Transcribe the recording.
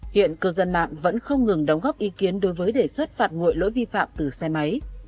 hiện cơ dân mạng vẫn không ngừng đóng góp ý kiến đối với đề xuất phạt nguội lỗi vi phạm từ xe máy